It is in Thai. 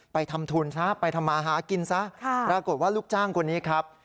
ทำทุนซะไปทำมาหากินซะปรากฏว่าลูกจ้างคนนี้ครับ